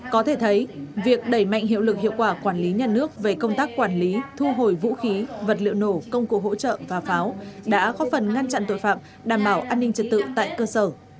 có thể thấy việc đẩy mạnh hiệu lực hiệu quả quản lý nhà nước về công tác quản lý thu hồi vũ khí vật liệu nổ công cụ hỗ trợ và pháo đã góp phần ngăn chặn tội phạm đảm bảo an ninh trật tự tại cơ sở